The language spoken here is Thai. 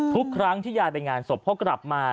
ทุกครั้งที่ยายไปงานศพพ่อกลับมา